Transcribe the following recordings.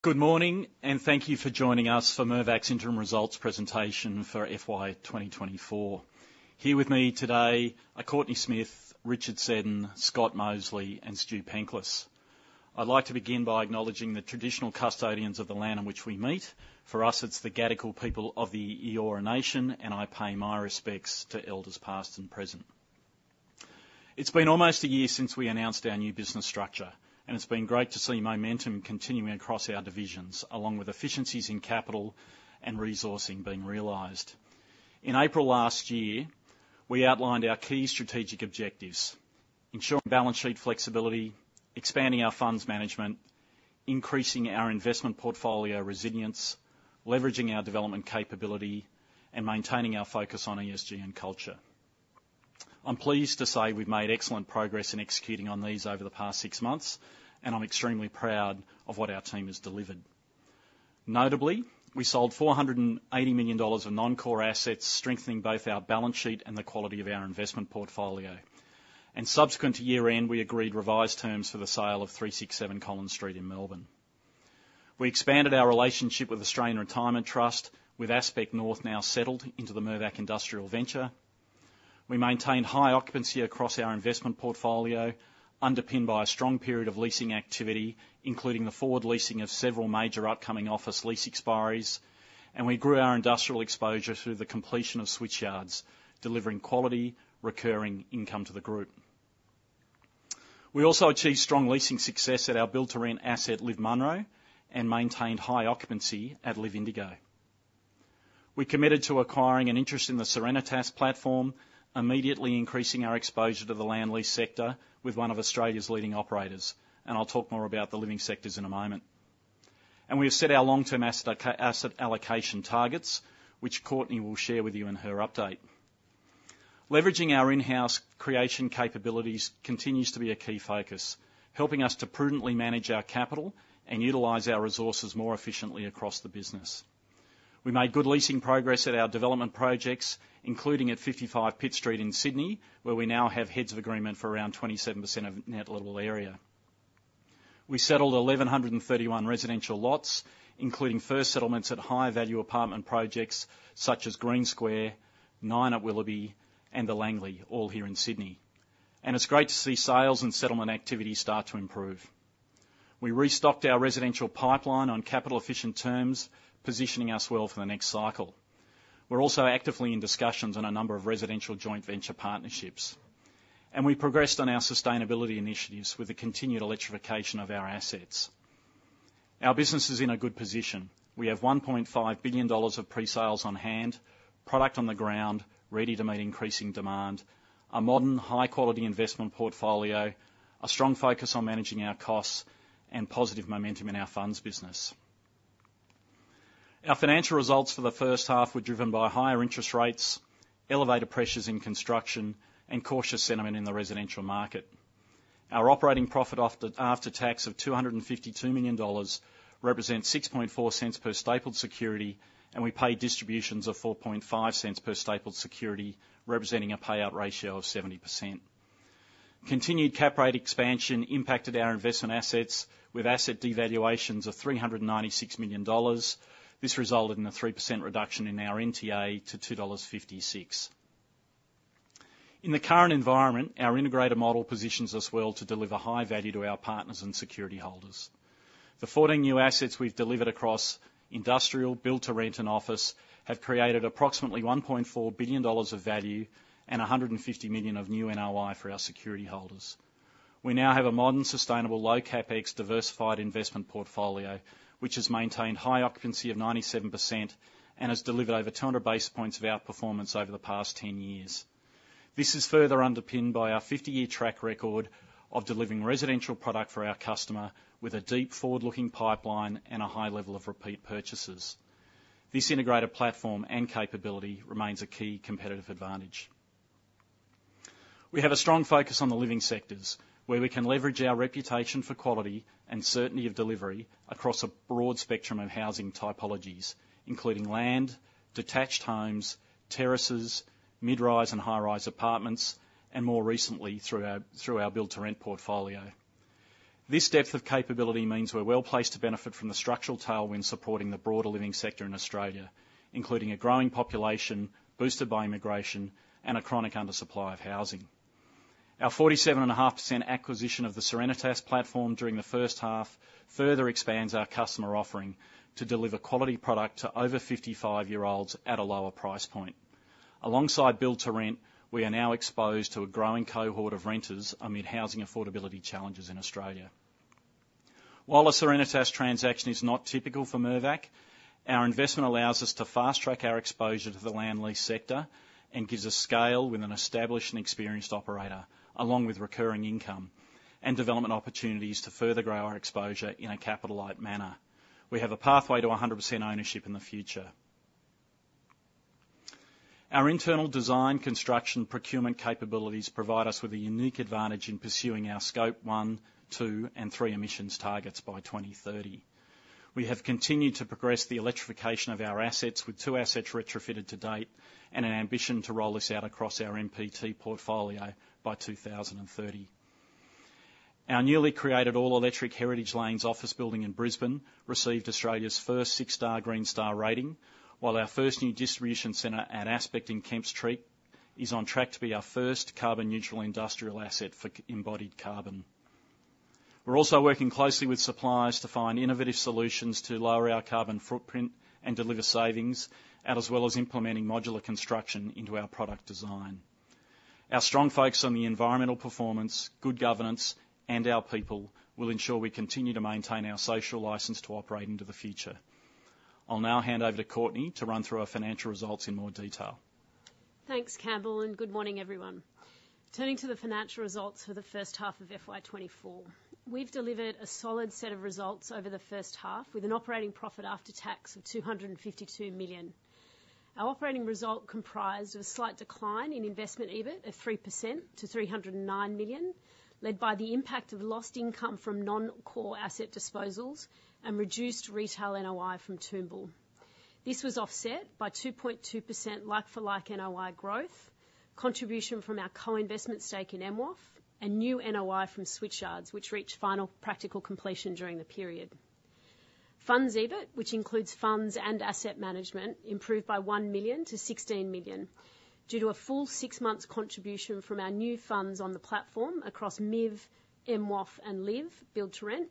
Good morning, and thank you for joining us for Mirvac's interim results presentation for FY 2024. Here with me today are Courtenay Smith, Richard Seddon, Scott Mosely, and Stuart Penklis. I'd like to begin by acknowledging the traditional custodians of the land on which we meet. For us, it's the Gadigal people of the Eora Nation, and I pay my respects to elders, past and present. It's been almost a year since we announced our new business structure, and it's been great to see momentum continuing across our divisions, along with efficiencies in capital and resourcing being realized. In April last year, we outlined our key strategic objectives: ensuring balance sheet flexibility, expanding our funds management, increasing our investment portfolio resilience, leveraging our development capability, and maintaining our focus on ESG and culture. I'm pleased to say we've made excellent progress in executing on these over the past six months, and I'm extremely proud of what our team has delivered. Notably, we sold 480 million dollars of non-core assets, strengthening both our balance sheet and the quality of our investment portfolio. Subsequent to year-end, we agreed revised terms for the sale of 367 Collins Street in Melbourne. We expanded our relationship with Australian Retirement Trust, with Aspect North now settled into the Mirvac Industrial Venture. We maintained high occupancy across our investment portfolio, underpinned by a strong period of leasing activity, including the forward leasing of several major upcoming office lease expiries, and we grew our industrial exposure through the completion of Switchyard, delivering quality, recurring income to the group. We also achieved strong leasing success at our build-to-rent asset, LIV Munro, and maintained high occupancy at LIV Indigo. We committed to acquiring an interest in the Serenitas platform, immediately increasing our exposure to the land lease sector with one of Australia's leading operators, and I'll talk more about the living sectors in a moment. We have set our long-term asset allocation targets, which Courtenay will share with you in her update. Leveraging our in-house creation capabilities continues to be a key focus, helping us to prudently manage our capital and utilize our resources more efficiently across the business. We made good leasing progress at our development projects, including at 55 Pitt Street in Sydney, where we now have heads of agreement for around 27% net lettable area. We settled 1,131 residential lots, including first settlements at high-value apartment projects such as Green Square, NINE at Willoughby, and The Langlee, all here in Sydney. It's great to see sales and settlement activity start to improve. We restocked our residential pipeline on capital-efficient terms, positioning us well for the next cycle. We're also actively in discussions on a number of residential joint venture partnerships, and we progressed on our sustainability initiatives with the continued electrification of our assets. Our business is in a good position. We have 1.5 billion dollars of pre-sales on hand, product on the ground ready to meet increasing demand, a modern, high-quality investment portfolio, a strong focus on managing our costs, and positive momentum in our funds business. Our financial results for the H1 were driven by higher interest rates, elevated pressures in construction, and cautious sentiment in the residential market. Our operating profit after tax of 252 million dollars represents 6.4 cents per stapled security, and we paid distributions of 4.5 per stapled security, representing a payout ratio of 70%. Continued cap rate expansion impacted our investment assets with asset devaluations of 396 million dollars. This resulted in a 3% reduction in our NTA to 2.56 dollars. In the current environment, our integrated model positions us well to deliver high value to our partners and security holders. The 14 new assets we've delivered across industrial, build-to-rent, and office have created approximately 1.4 billion dollars of value and 150 million of new NOI for our security holders. We now have a modern, sustainable, low CapEx, diversified investment portfolio, which has maintained high occupancy of 97% and has delivered over 200 basis points of outperformance over the past 10 years. This is further underpinned by our 50-year track record of delivering residential product for our customer with a deep forward-looking pipeline and a high level of repeat purchases. This integrated platform and capability remains a key competitive advantage. We have a strong focus on the living sectors, where we can leverage our reputation for quality and certainty of delivery across a broad spectrum of housing typologies, including land, detached homes, terraces, mid-rise and high-rise apartments, and more recently, through our build-to-rent portfolio. This depth of capability means we're well placed to benefit from the structural tailwind supporting the broader living sector in Australia, including a growing population boosted by immigration and a chronic undersupply of housing. Our 47.5% acquisition of the Serenitas platform during the H1 further expands our customer offering to deliver quality product to over 55-year-olds at a lower price point. Alongside build to rent, we are now exposed to a growing cohort of renters amid housing affordability challenges in Australia. While the Serenitas transaction is not typical for Mirvac, our investment allows us to fast-track our exposure to the land lease sector and gives us scale with an established and experienced operator, along with recurring income and development opportunities to further grow our exposure in a capital-light manner. We have a pathway to 100% ownership in the future. Our internal design, construction, procurement capabilities provide us with a unique advantage in pursuing our Scope one, two and three emissions targets by 2030. We have continued to progress the electrification of our assets, with two assets retrofitted to date and an ambition to roll this out across our MPT portfolio by 2030. Our newly created all-electric Heritage Lanes office building in Brisbane received Australia's first six star Green Star rating, while our first new distribution center at Aspect in Kemps Creek is on track to be our first carbon neutral industrial asset for embodied carbon. We're also working closely with suppliers to find innovative solutions to lower our carbon footprint and deliver savings, and as well as implementing modular construction into our product design. Our strong focus on the environmental performance, good governance, and our people will ensure we continue to maintain our social license to operate into the future. I'll now hand over to Courtenay to run through our financial results in more detail. Thanks, Campbell, and good morning, everyone. Turning to the financial results for the H1 of FY24. We've delivered a solid set of results over the H1, with an operating profit after tax of 252 million. Our operating result comprised of a slight decline in investment EBIT of 3% to 309 million, led by the impact of lost income from non-core asset disposals and reduced retail NOI from Toombul. This was offset by 2.2% like-for-like NOI growth, contribution from our co-investment stake in MWOF, and new NOI from Switchyard, which reached final practical completion during the period. Funds EBIT, which includes funds and asset management, improved by 1 million to 16 million, due to a full six months contribution from our new funds on the platform across MIV, MWOF, and LIV build-to-rent,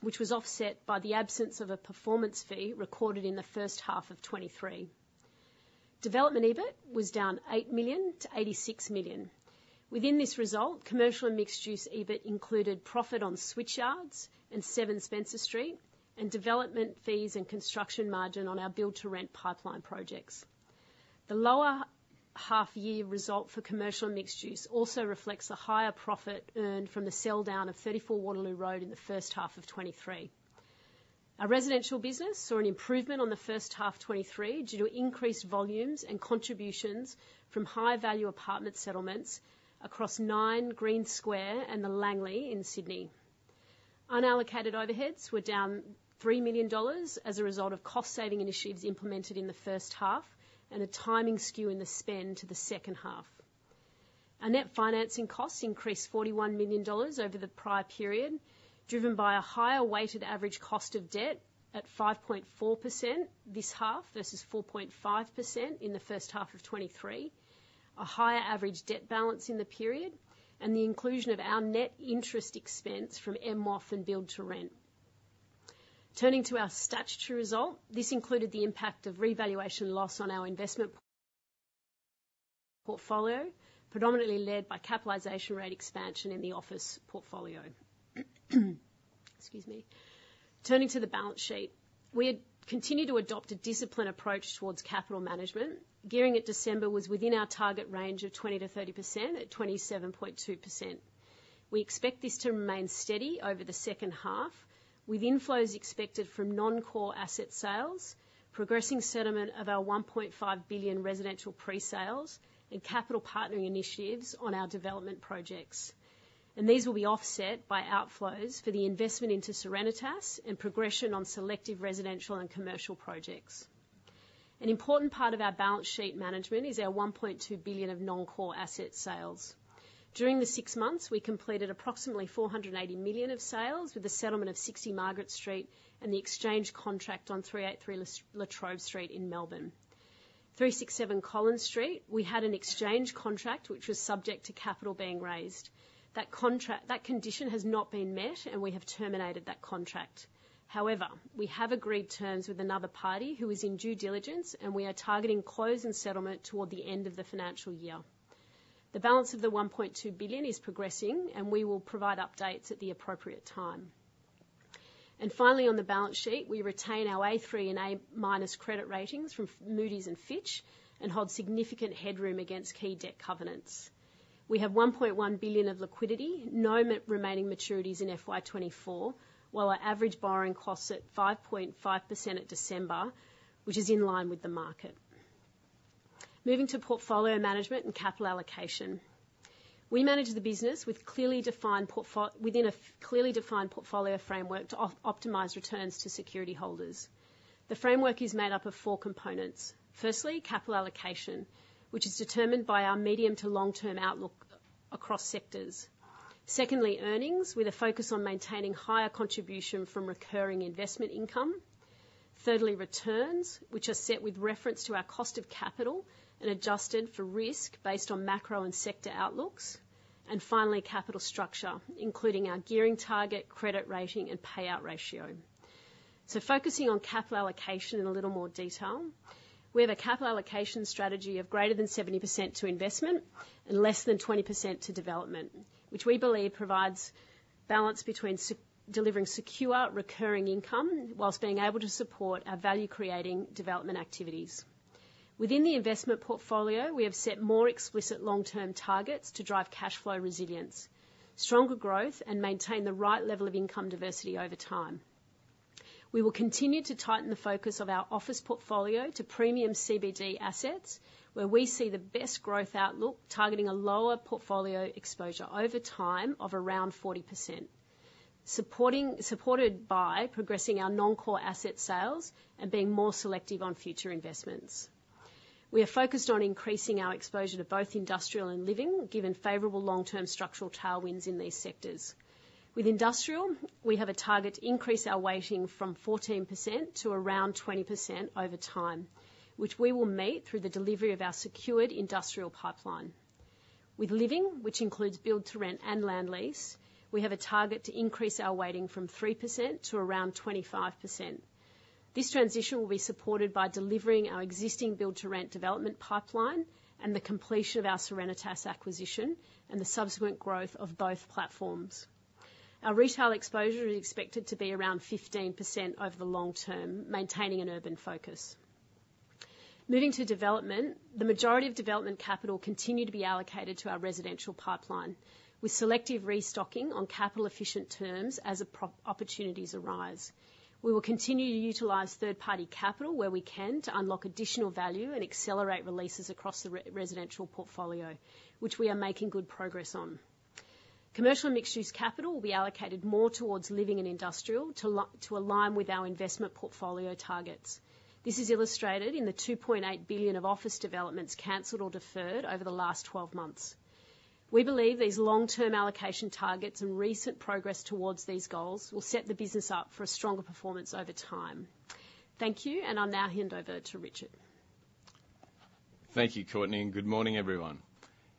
which was offset by the absence of a performance fee recorded in the H1 of 2023. Development EBIT was down 8 million to 86 million. Within this result, commercial and mixed-use EBIT included profit on Switchyard and 7 Spencer Street, and development fees and construction margin on our build-to-rent pipeline projects. The lower half-year result for commercial mixed use also reflects the higher profit earned from the sell down of 34 Waterloo Road in the H1 of 2023. Our residential business saw an improvement on the H1, 2023, due to increased volumes and contributions from high-value apartment settlements across Nine Green Square and The Langlee in Sydney. Unallocated overheads were down 3 million dollars as a result of cost-saving initiatives implemented in the H1, and a timing skew in the spend to the H2. Our net financing costs increased 41 million dollars over the prior period, driven by a higher weighted average cost of debt at 5.4% this half, versus 4.5% in the H1 of 2023. A higher average debt balance in the period, and the inclusion of our net interest expense from MWOF and build to rent. Turning to our statutory result, this included the impact of revaluation loss on our investment portfolio, predominantly led by capitalization rate expansion in the office portfolio. Excuse me. Turning to the balance sheet. We had continued to adopt a disciplined approach towards capital management. Gearing at December was within our target range of 20%-30%, at 27.2%. We expect this to remain steady over the H2, with inflows expected from non-core asset sales, progressing settlement of our 1.5 billion residential pre-sales, and capital partnering initiatives on our development projects. These will be offset by outflows for the investment into Serenitas and progression on selective residential and commercial projects. An important part of our balance sheet management is our 1.2 billion of non-core asset sales. During the six months, we completed approximately 480 million of sales, with the settlement of 60 Margaret Street and the exchange contract on 383 La Trobe Street in Melbourne. 367 Collins Street, we had an exchange contract which was subject to capital being raised. That contract. That condition has not been met, and we have terminated that contract. However, we have agreed terms with another party who is in due diligence, and we are targeting close and settlement toward the end of the financial year. The balance of the 1.2 billion is progressing, and we will provide updates at the appropriate time. And finally, on the balance sheet, we retain our A3, minus credit ratings from Moody's and Fitch, and hold significant headroom against key debt covenants. We have 1.1 billion of liquidity, no remaining maturities in FY24, while our average borrowing costs at 5.5% at December, which is in line with the market. Moving to portfolio management and capital allocation. We manage the business with clearly defined portfolio, within a clearly defined portfolio framework to optimize returns to security holders. The framework is made up of four components: firstly, capital allocation, which is determined by our medium- to long-term outlook across sectors. Secondly, earnings, with a focus on maintaining higher contribution from recurring investment income. Thirdly, returns, which are set with reference to our cost of capital and adjusted for risk based on macro and sector outlooks. And finally, capital structure, including our gearing target, credit rating, and payout ratio. So focusing on capital allocation in a little more detail, we have a capital allocation strategy of greater than 70% to investment and less than 20% to development, which we believe provides balance between delivering secure, recurring income, while being able to support our value-creating development activities. Within the investment portfolio, we have set more explicit long-term targets to drive cash flow resilience, stronger growth, and maintain the right level of income diversity over time. We will continue to tighten the focus of our office portfolio to premium CBD assets, where we see the best growth outlook, targeting a lower portfolio exposure over time of around 40%. Supported by progressing our non-core asset sales and being more selective on future investments. We are focused on increasing our exposure to both industrial and living, given favorable long-term structural tailwinds in these sectors. With industrial, we have a target to increase our weighting from 14% to around 20% over time, which we will meet through the delivery of our secured industrial pipeline. With living, which includes build to rent and land lease, we have a target to increase our weighting from 3% to around 25%. This transition will be supported by delivering our existing build to rent development pipeline, and the completion of our Serenitas acquisition, and the subsequent growth of both platforms. Our retail exposure is expected to be around 15% over the long term, maintaining an urban focus. Moving to development, the majority of development capital continue to be allocated to our residential pipeline, with selective restocking on capital-efficient terms as opportunities arise. We will continue to utilize third-party capital where we can, to unlock additional value and accelerate releases across the residential portfolio, which we are making good progress on. Commercial and mixed-use capital will be allocated more towards living and industrial to align with our investment portfolio targets. This is illustrated in the 2.8 billion of office developments canceled or deferred over the last 12 months. We believe these long-term allocation targets and recent progress towards these goals will set the business up for a stronger performance over time. Thank you, and I'll now hand over to Richard. Thank you, Courtenay, and good morning, everyone.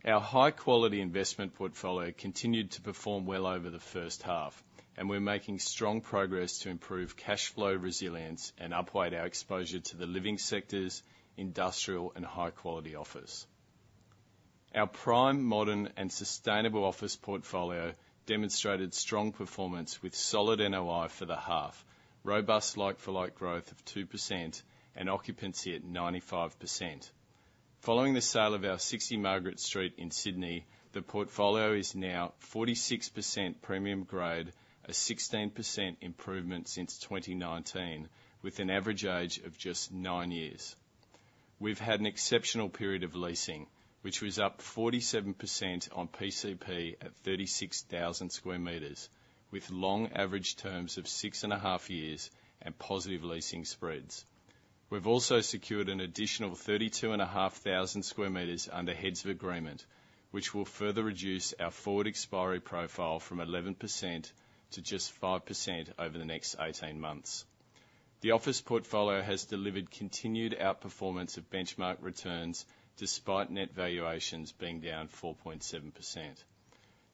Our high-quality investment portfolio continued to perform well over the H1, and we're making strong progress to improve cash flow resilience and upweight our exposure to the living sectors, industrial, and high-quality office. Our prime, modern, and sustainable office portfolio demonstrated strong performance, with solid NOI for the half, robust like-for-like growth of 2%, and occupancy at 95%. Following the sale of our 60 Margaret Street in Sydney, the portfolio is now 46% premium grade, a 16% improvement since 2019, with an average age of just nine years. We've had an exceptional period of leasing, which was up 47% on PCP at 36,000 square meters, with long average terms of 6.5 years, and positive leasing spreads. We've also secured an additional 32,500 square meters under heads of agreement, which will further reduce our forward expiry profile from 11% to just 5% over the next 18 months. The office portfolio has delivered continued outperformance of benchmark returns, despite net valuations being down 4.7%.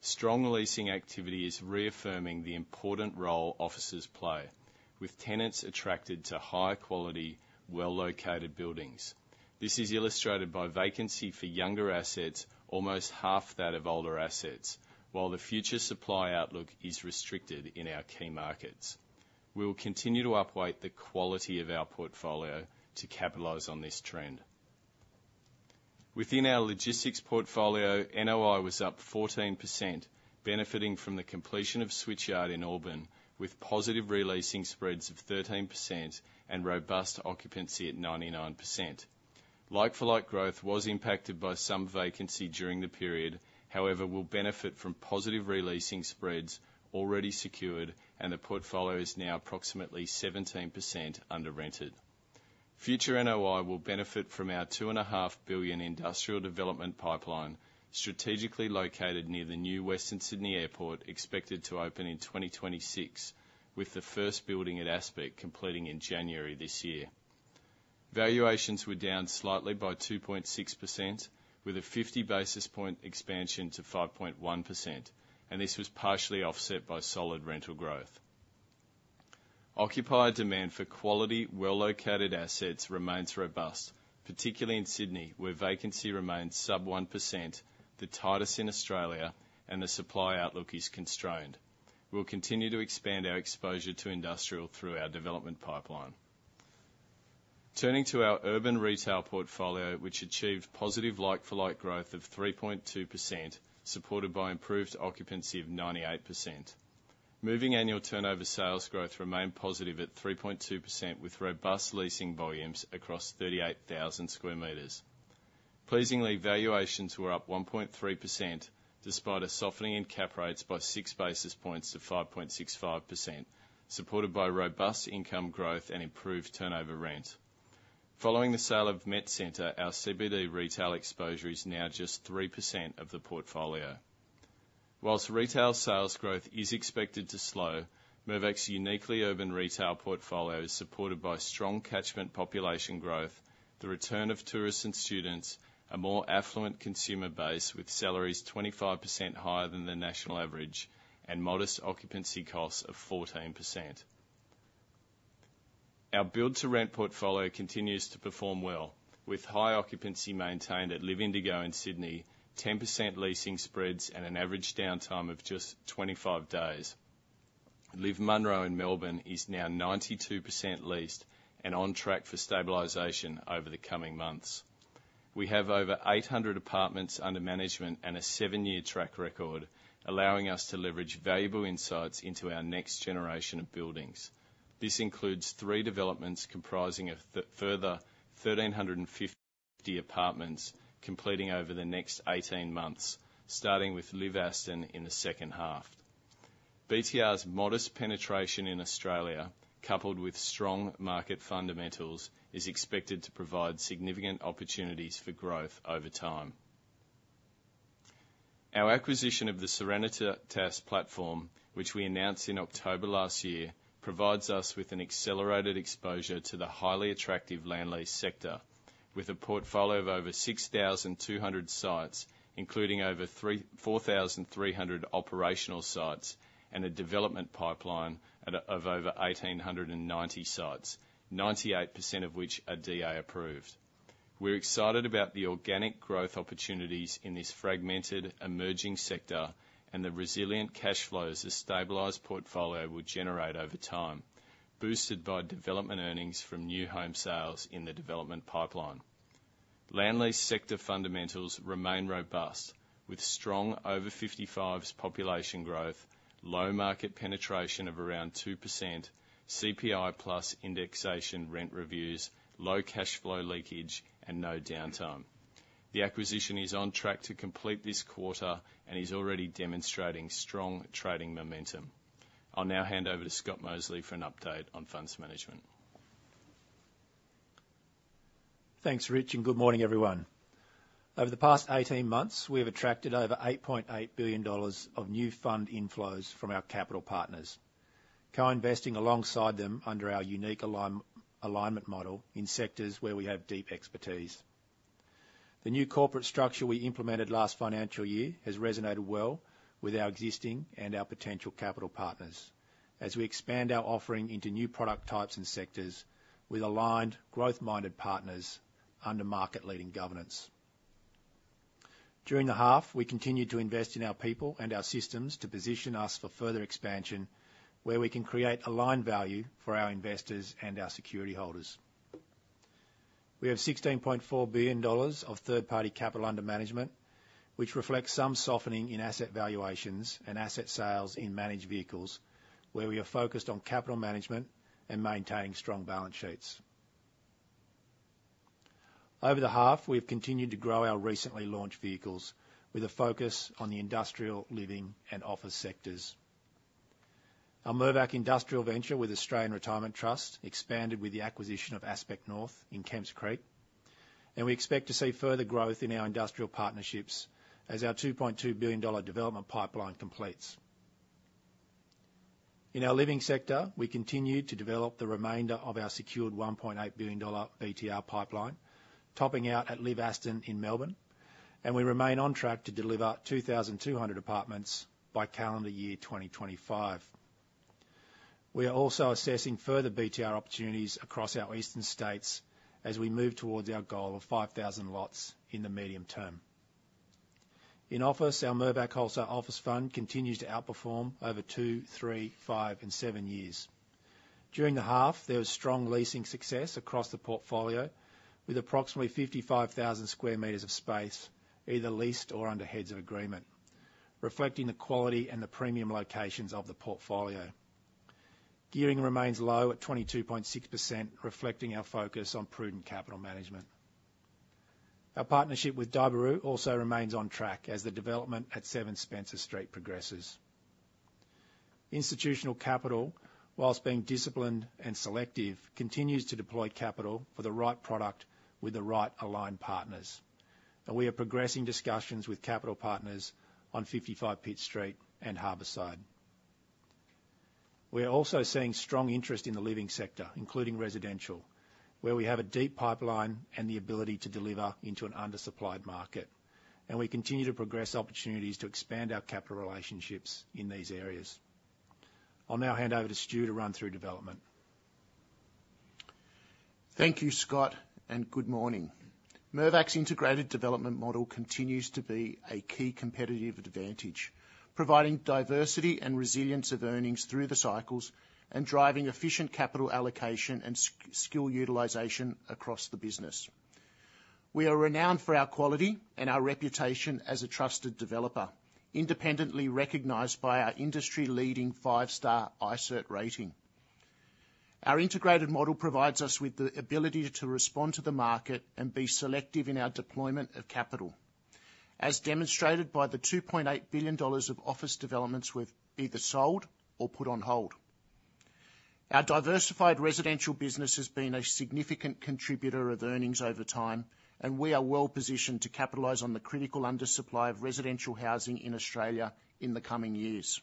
Strong leasing activity is reaffirming the important role offices play, with tenants attracted to high quality, well-located buildings. This is illustrated by vacancy for younger assets, almost half that of older assets, while the future supply outlook is restricted in our key markets. We will continue to upweight the quality of our portfolio to capitalize on this trend. Within our logistics portfolio, NOI was up 14%, benefiting from the completion of Switchyard in Auburn, with positive re-leasing spreads of 13% and robust occupancy at 99%. Like-for-like growth was impacted by some vacancy during the period, however, will benefit from positive re-leasing spreads already secured, and the portfolio is now approximately 17% under rented. Future NOI will benefit from our 2.5 billion industrial development pipeline, strategically located near the new Western Sydney Airport, expected to open in 2026, with the first building at Aspect completing in January this year. Valuations were down slightly by 2.6%, with a 50 basis point expansion to 5.1%, and this was partially offset by solid rental growth. Occupier demand for quality, well-located assets remains robust, particularly in Sydney, where vacancy remains sub 1%, the tightest in Australia, and the supply outlook is constrained. We'll continue to expand our exposure to industrial through our development pipeline. Turning to our urban retail portfolio, which achieved positive like-for-like growth of 3.2%, supported by improved occupancy of 98%. Moving annual turnover sales growth remained positive at 3.2%, with robust leasing volumes across 38,000 square meters. Pleasingly, valuations were up 1.3%, despite a softening in cap rates by 6 basis points to 5.65%, supported by robust income growth and improved turnover rent. Following the sale of Met Centre, our CBD retail exposure is now just 3% of the portfolio. While retail sales growth is expected to slow, Mirvac's uniquely urban retail portfolio is supported by strong catchment population growth, the return of tourists and students, a more affluent consumer base with salaries 25% higher than the national average, and modest occupancy costs of 14%. Our build-to-rent portfolio continues to perform well, with high occupancy maintained at LIV Indigo in Sydney, 10% leasing spreads, and an average downtime of just 25 days. LIV Munro in Melbourne is now 92% leased and on track for stabilization over the coming months. We have over 800 apartments under management and a seven year track record, allowing us to leverage valuable insights into our next generation of buildings. This includes 3 developments comprising of further 1,350 apartments, completing over the next 18 months, starting with LIV Aston in the H2. BTR's modest penetration in Australia, coupled with strong market fundamentals, is expected to provide significant opportunities for growth over time. Our acquisition of the Serenitas platform, which we announced in October last year, provides us with an accelerated exposure to the highly attractive land lease sector, with a portfolio of over 6,200 sites, including over 4,300 operational sites and a development pipeline of over 1,890 sites, 98% of which are DA approved. We're excited about the organic growth opportunities in this fragmented, emerging sector, and the resilient cash flows the stabilized portfolio will generate over time, boosted by development earnings from new home sales in the development pipeline. Land lease sector fundamentals remain robust, with strong over 55's population growth, low market penetration of around 2%, CPI plus indexation rent reviews, low cash flow leakage, and no downtime. The acquisition is on track to complete this quarter and is already demonstrating strong trading momentum. I'll now hand over to Scott Mosely for an update on funds management. Thanks, Rich, and good morning, everyone. Over the past 18 months, we have attracted over 8.8 billion dollars of new fund inflows from our capital partners, co-investing alongside them under our unique alignment model in sectors where we have deep expertise. The new corporate structure we implemented last financial year has resonated well with our existing and our potential capital partners as we expand our offering into new product types and sectors with aligned, growth-minded partners under market-leading governance. During the half, we continued to invest in our people and our systems to position us for further expansion, where we can create aligned value for our investors and our security holders. We have 16.4 billion dollars of third-party capital under management, which reflects some softening in asset valuations and asset sales in managed vehicles, where we are focused on capital management and maintaining strong balance sheets. Over the half, we've continued to grow our recently launched vehicles, with a focus on the industrial, living, and office sectors. Our Mirvac Industrial Venture with Australian Retirement Trust expanded with the acquisition of Aspect North in Kemps Creek, and we expect to see further growth in our industrial partnerships as our 2.2 billion dollar development pipeline completes. In our living sector, we continued to develop the remainder of our secured 1.8 billion dollar BTR pipeline, topping out at LIV Aston in Melbourne, and we remain on track to deliver 2,200 apartments by calendar year 2025. We are also assessing further BTR opportunities across our eastern states as we move towards our goal of 5,000 lots in the medium term. In office, our Mirvac Wholesale Office Fund continues to outperform over two, three, five and seven years. During the half, there was strong leasing success across the portfolio, with approximately 55,000 square meters of space, either leased or under heads of agreement, reflecting the quality and the premium locations of the portfolio. Gearing remains low at 22.6%, reflecting our focus on prudent capital management. Our partnership with Daibiru also remains on track as the development at 7 Spencer Street progresses. Institutional capital, while being disciplined and selective, continues to deploy capital for the right product with the right aligned partners, and we are progressing discussions with capital partners on 55 Pitt Street and Harbourside. We are also seeing strong interest in the living sector, including residential, where we have a deep pipeline and the ability to deliver into an undersupplied market, and we continue to progress opportunities to expand our capital relationships in these areas. I'll now hand over to Stu to run through development. Thank you, Scott, and good morning. Mirvac's integrated development model continues to be a key competitive advantage, providing diversity and resilience of earnings through the cycles, and driving efficient capital allocation and skill utilization across the business. We are renowned for our quality and our reputation as a trusted developer, independently recognized by our industry-leading five-star iCIRT rating. Our integrated model provides us with the ability to respond to the market and be selective in our deployment of capital, as demonstrated by the 2.8 billion dollars of office developments we've either sold or put on hold. Our diversified residential business has been a significant contributor of earnings over time, and we are well-positioned to capitalize on the critical undersupply of residential housing in Australia in the coming years.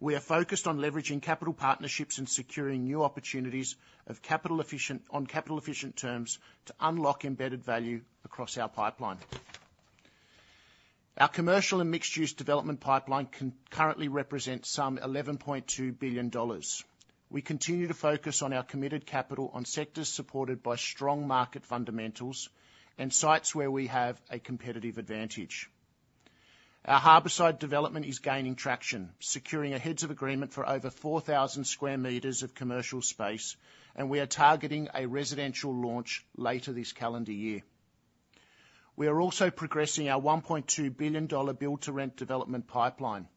We are focused on leveraging capital partnerships and securing new opportunities on capital-efficient terms to unlock embedded value across our pipeline. Our commercial and mixed-use development pipeline currently represents some 11.2 billion dollars. We continue to focus on our committed capital on sectors supported by strong market fundamentals and sites where we have a competitive advantage. Our Harbourside development is gaining traction, securing a heads of agreement for over 4,000 square meters of commercial space, and we are targeting a residential launch later this calendar year. We are also progressing our 1.2 billion dollar build-to-rent development pipeline,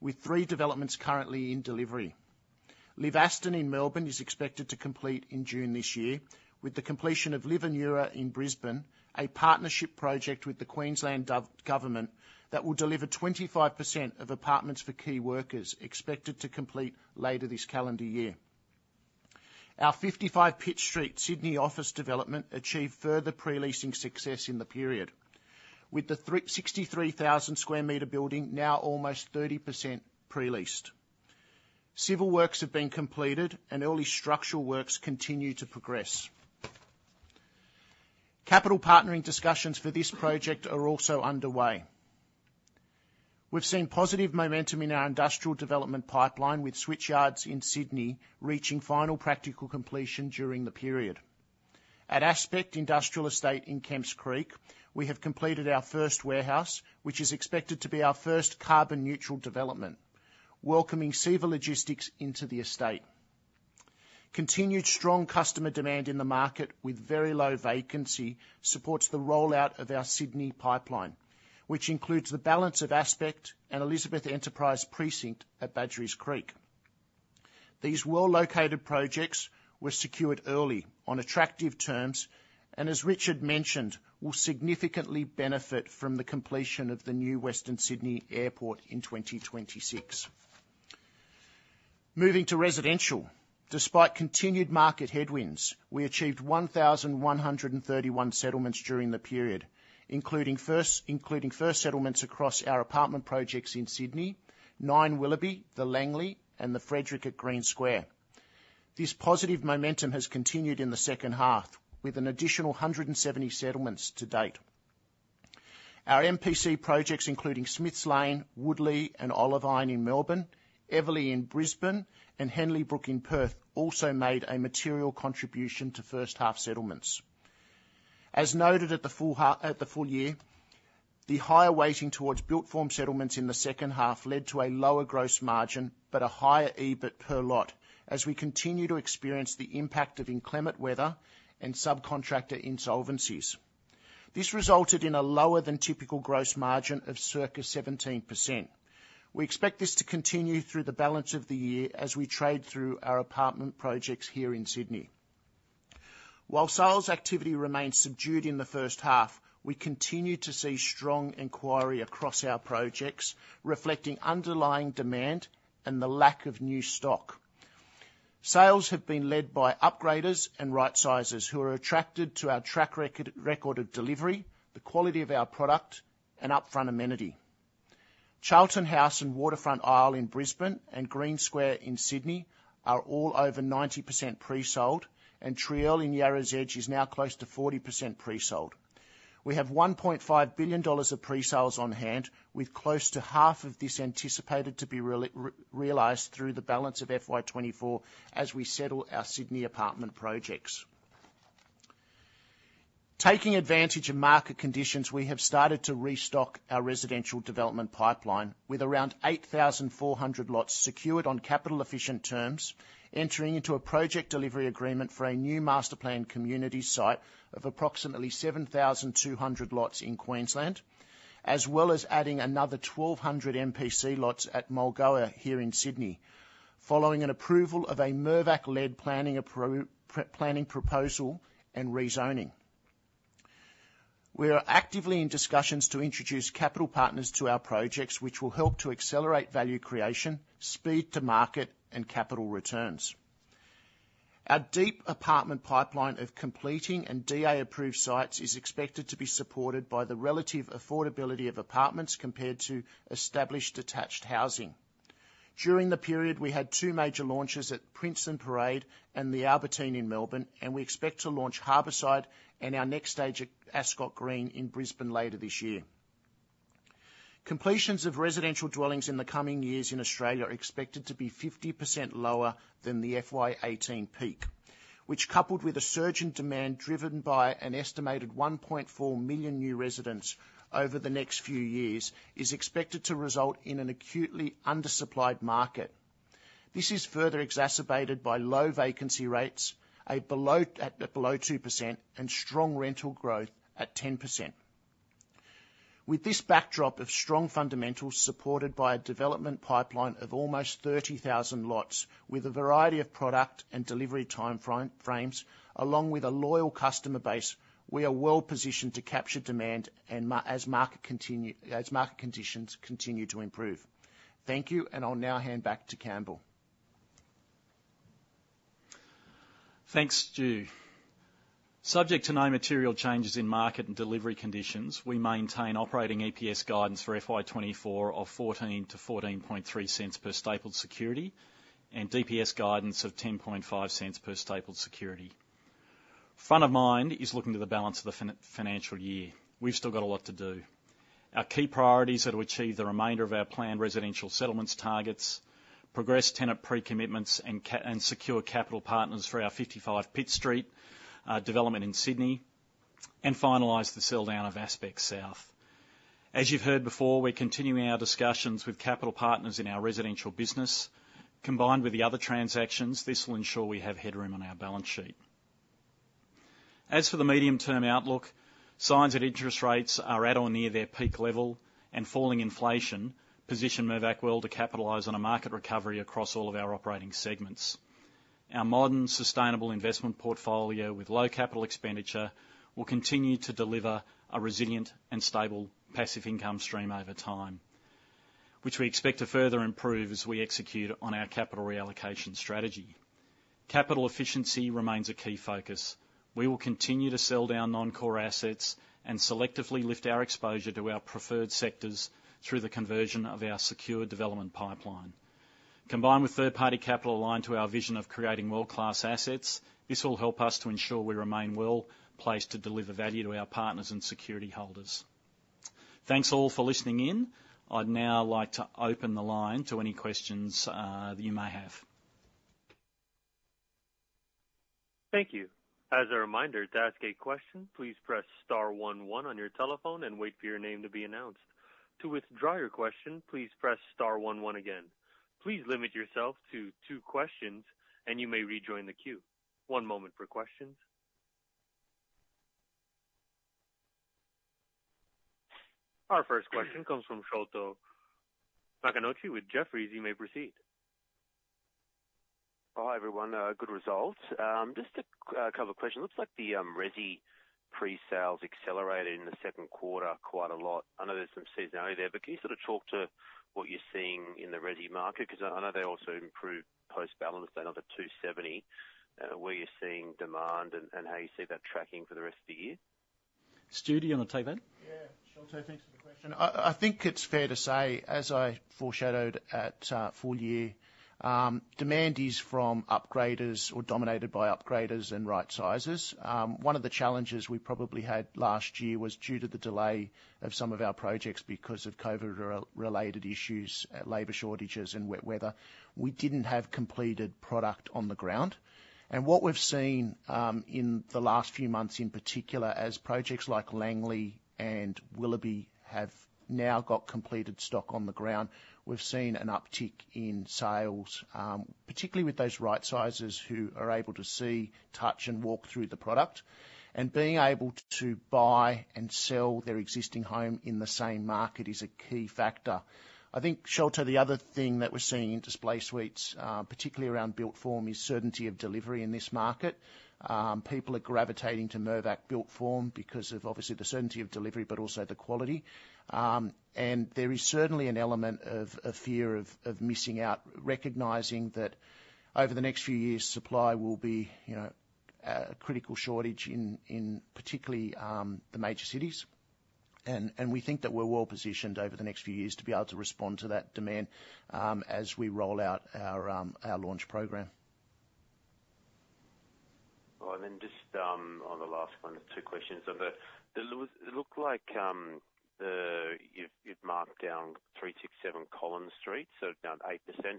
with three developments currently in delivery. LIV Aston in Melbourne is expected to complete in June this year, with the completion of LIV Anura in Brisbane, a partnership project with the Queensland Government that will deliver 25% of apartments for key workers, expected to complete later this calendar year. Our 55 Pitt Street Sydney office development achieved further pre-leasing success in the period, with the 63,000 square meter building now almost 30% pre-leased. Civil works have been completed, and early structural works continue to progress. Capital partnering discussions for this project are also underway. We've seen positive momentum in our industrial development pipeline, with Switchyard in Sydney reaching final practical completion during the period. At Aspect Industrial Estate in Kemps Creek, we have completed our first warehouse, which is expected to be our first carbon neutral development, welcoming CEVA Logistics into the estate. Continued strong customer demand in the market with very low vacancy supports the rollout of our Sydney pipeline, which includes the balance of Aspect and Elizabeth Enterprise Precinct at Badgerys Creek. These well-located projects were secured early on attractive terms, and as Richard mentioned, will significantly benefit from the completion of the new Western Sydney Airport in 2026. Moving to residential. Despite continued market headwinds, we achieved 1,131 settlements during the period, including first settlements across our apartment projects in Sydney, NINE at Willoughby, The Langlee, and The Frederick at Green Square. This positive momentum has continued in the H2, with an additional 170 settlements to date. Our MPC projects, including Smiths Lane, Woodleigh, and Olivine in Melbourne, Everleigh in Brisbane, and Henley Brook in Perth, also made a material contribution to H1 settlements. As noted at the full year, the higher weighting towards built form settlements in the H2 led to a lower gross margin, but a higher EBIT per lot, as we continue to experience the impact of inclement weather and subcontractor insolvencies. This resulted in a lower than typical gross margin of circa 17%. We expect this to continue through the balance of the year as we trade through our apartment projects here in Sydney. While sales activity remains subdued in the H1, we continue to see strong inquiry across our projects, reflecting underlying demand and the lack of new stock. Sales have been led by upgraders and right-sizers, who are attracted to our track record, record of delivery, the quality of our product, and upfront amenity. Charlton House and Waterfront Isle in Brisbane and Green Square in Sydney are all over 90% pre-sold, and Trielle in Yarra's Edge is now close to 40% pre-sold. We have 1.5 billion dollars of pre-sales on hand, with close to half of this anticipated to be realized through the balance of FY24 as we settle our Sydney apartment projects. Taking advantage of market conditions, we have started to restock our residential development pipeline with around 8,400 lots secured on capital efficient terms, entering into a project delivery agreement for a new master plan community site of approximately 7,200 lots in Queensland, as well as adding another 1,200 MPC lots at Mulgoa here in Sydney, following an approval of a Mirvac-led planning proposal and rezoning. We are actively in discussions to introduce capital partners to our projects, which will help to accelerate value creation, speed to market, and capital returns. Our deep apartment pipeline of completing and DA-approved sites is expected to be supported by the relative affordability of apartments compared to established detached housing. During the period, we had two major launches at Prince & Parade and The Albertine in Melbourne, and we expect to launch Harbourside and our next stage at Ascot Green in Brisbane later this year. Completions of residential dwellings in the coming years in Australia are expected to be 50% lower than the FY18 peak, which, coupled with a surge in demand driven by an estimated 1.4 million new residents over the next few years, is expected to result in an acutely undersupplied market. This is further exacerbated by low vacancy rates at below 2%, and strong rental growth at 10%. With this backdrop of strong fundamentals, supported by a development pipeline of almost 30,000 lots with a variety of product and delivery time frames, along with a loyal customer base, we are well positioned to capture demand as market conditions continue to improve. Thank you, and I'll now hand back to Campbell. Thanks, Stu. Subject to no material changes in market and delivery conditions, we maintain operating EPS guidance for FY24 of 0.14-0.143 per stapled security, and DPS guidance of 0.105 per stapled security. Front of mind is looking to the balance of the financial year. We've still got a lot to do. Our key priorities are to achieve the remainder of our planned residential settlements targets, progress tenant pre-commitments, and secure capital partners for our 55 Pitt Street development in Sydney, and finalize the sell down of Aspect South. As you've heard before, we're continuing our discussions with capital partners in our residential business. Combined with the other transactions, this will ensure we have headroom on our balance sheet. As for the medium-term outlook, signs that interest rates are at or near their peak level and falling inflation, position Mirvac well to capitalize on a market recovery across all of our operating segments. Our modern, sustainable investment portfolio with low capital expenditure, will continue to deliver a resilient and stable passive income stream over time, which we expect to further improve as we execute on our capital reallocation strategy. Capital efficiency remains a key focus. We will continue to sell down non-core assets and selectively lift our exposure to our preferred sectors through the conversion of our secure development pipeline. Combined with third-party capital aligned to our vision of creating world-class assets, this will help us to ensure we remain well placed to deliver value to our partners and security holders. Thanks all for listening in. I'd now like to open the line to any questions, you may have. Thank you. As a reminder, to ask a question, please press star one one on your telephone and wait for your name to be announced. To withdraw your question, please press star one one again. Please limit yourself to two questions, and you may rejoin the queue. One moment for questions. Our first question comes from Sholto Maconochie with Jefferies. You may proceed. Hi, everyone. Good results. Just a couple of questions. Looks like the resi pre-sales accelerated in the Q2 quite a lot. I know there's some seasonality there, but can you sort of talk to what you're seeing in the resi market? Because I know they also improved post-balance, that number 270, where you're seeing demand and, and how you see that tracking for the rest of the year. Stu, do you want to take that? Yeah. Sholto, thanks for the question. I, I think it's fair to say, as I foreshadowed at full year, demand is from upgraders or dominated by upgraders and right sizes. One of the challenges we probably had last year was due to the delay of some of our projects because of COVID-related issues, labor shortages and wet weather. We didn't have completed product on the ground, and what we've seen, in the last few months, in particular, as projects like Langlee and Willoughby have now got completed stock on the ground, we've seen an uptick in sales, particularly with those right sizes who are able to see, touch, and walk through the product. And being able to buy and sell their existing home in the same market is a key factor. I think, Sholto, the other thing that we're seeing in display suites, particularly around built form, is certainty of delivery in this market. People are gravitating to Mirvac built form because of, obviously, the certainty of delivery, but also the quality. And there is certainly an element of fear of missing out, recognizing that over the next few years, supply will be, you know, a critical shortage in particularly the major cities. We think that we're well positioned over the next few years to be able to respond to that demand, as we roll out our launch program. Well, just on the last one, two questions. On the, it looked like you've marked down 367 Collins Street, so down 8%,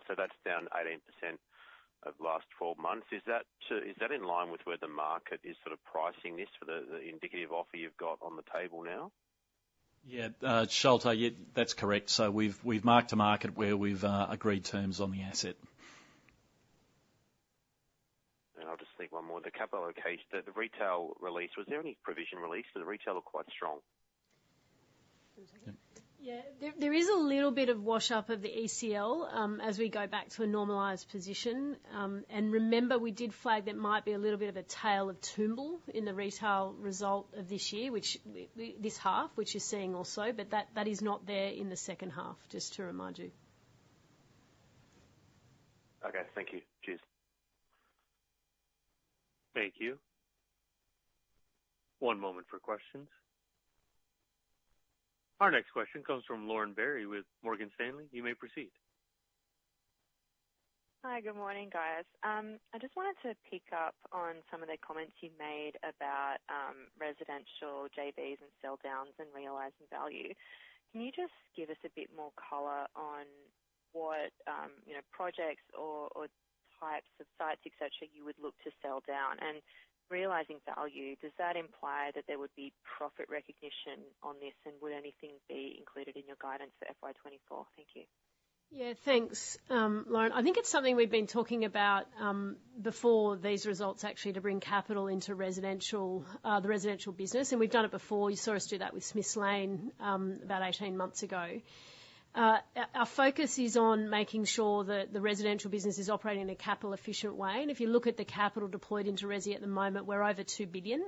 so that's down 18% of last 12 months. Is that in line with where the market is sort of pricing this for the indicative offer you've got on the table now? Yeah. Sholto, yeah, that's correct. So we've marked to market where we've agreed terms on the asset. I'll just take one more. The capital allocation, the retail release, was there any provision release? So the retail looked quite strong. Yeah. There is a little bit of wash up of the ECL as we go back to a normalized position. And remember, we did flag there might be a little bit of a tale of Toombul in the retail result of this year, which we this half, which you're seeing also, but that is not there in the H2, just to remind you. Okay. Thank you. Cheers. Thank you. One moment for questions. Our next question comes from Lauren Berry with Morgan Stanley. You may proceed. Hi, good morning, guys. I just wanted to pick up on some of the comments you made about residential JVs and sell downs and realizing value. Can you just give us a bit more color on what you know, projects or types of sites, et cetera, you would look to sell down? And realizing value, does that imply that there would be profit recognition on this, and would anything be included in your guidance for FY24? Thank you. Yeah, thanks, Lauren. I think it's something we've been talking about before these results, actually, to bring capital into residential, the residential business, and we've done it before. You saw us do that with Smiths Lane about 18 months ago. Our focus is on making sure that the residential business is operating in a capital efficient way. And if you look at the capital deployed into resi at the moment, we're over 2 billion.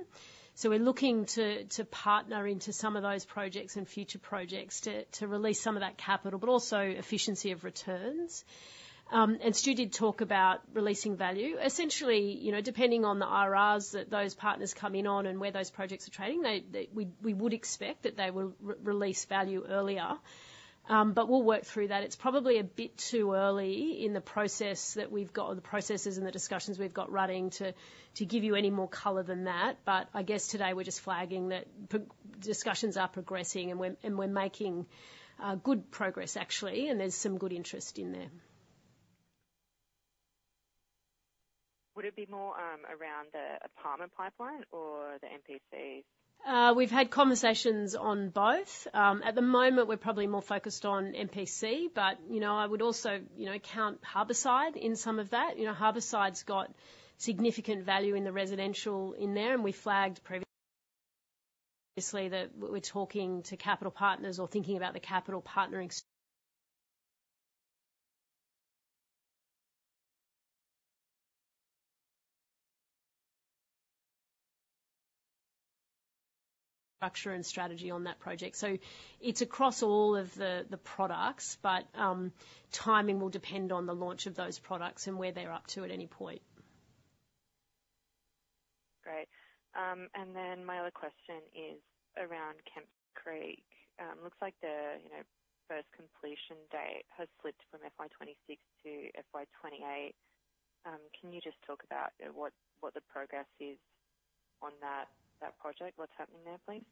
So we're looking to partner into some of those projects and future projects to release some of that capital, but also efficiency of returns. And Stu did talk about releasing value. Essentially, you know, depending on the IRRs that those partners come in on and where those projects are trading, we would expect that they will release value earlier. But we'll work through that. It's probably a bit too early in the process that we've got or the processes and the discussions we've got running, to, to give you any more color than that. But I guess today we're just flagging that discussions are progressing and we're, and we're making good progress, actually, and there's some good interest in there. Would it be more, around the apartment pipeline or the MPC? We've had conversations on both. At the moment, we're probably more focused on MPC, but, you know, I would also, you know, count Harbourside in some of that. You know, Harbourside's got significant value in the residential in there, and we flagged previously, we're talking to capital partners or thinking about the capital partnerings structure and strategy on that project. So it's across all of the products, but, timing will depend on the launch of those products and where they're up to at any point. Great. And then my other question is around Kemps Creek. Looks like the, you know, first completion date has slipped from FY26 to FY28. Can you just talk about, you know, what the progress is on that project? What's happening there, please?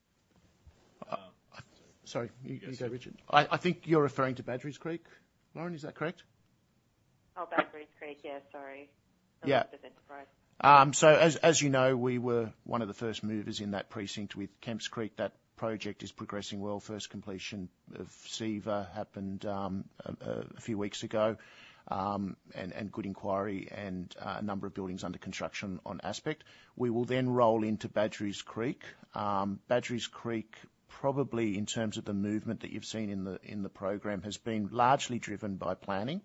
Sorry, you go, Richard. Yes. I think you're referring to Badgerys Creek, Lauren, is that correct? Oh, Badgerys Creek. Yeah, sorry. Yeah. I lost the enterprise. So as you know, we were one of the first movers in that precinct with Kemps Creek. That project is progressing well. First completion of CEVA happened a few weeks ago, and good inquiry and a number of buildings under construction on Aspect. We will then roll into Badgerys Creek. Badgerys Creek, probably in terms of the movement that you've seen in the program, has been largely driven by planning.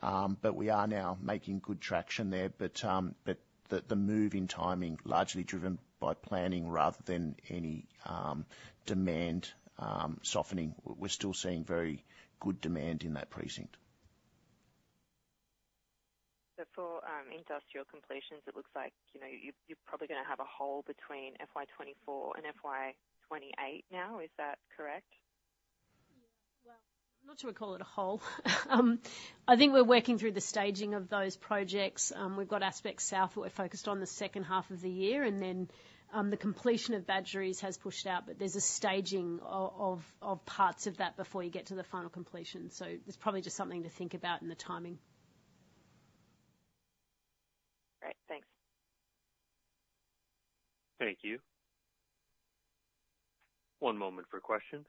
But we are now making good traction there. But the move in timing, largely driven by planning rather than any demand softening. We're still seeing very good demand in that precinct. So for industrial completions, it looks like, you know, you're, you're probably gonna have a hole between FY24 and FY28 now. Is that correct? Well, I'm not sure we call it a hole. I think we're working through the staging of those projects. We've got Aspect South, what we're focused on the H2 of the year, and then, the completion of Badgerys has pushed out, but there's a staging of parts of that before you get to the final completion. So there's probably just something to think about in the timing. Great. Thanks. Thank you. One moment for questions.